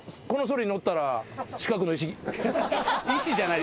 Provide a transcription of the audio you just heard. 石じゃない。